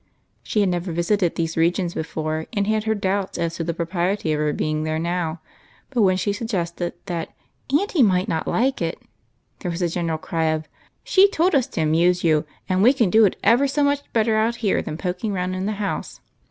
She had never visited these regions before, and had her doubts as to the propriety of her being there now, but when she suggested tliat " Auntie might not like it," there was a general cry of, —" She told us to amuse you, and we can do it ever so much better out here than poking round in the house."